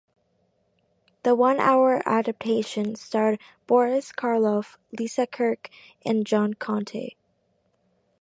The one-hour adaptation starred Boris Karloff, Lisa Kirk, and John Conte.